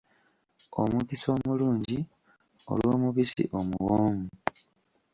Omukisa omulungi olw’omubisi omuwoomu.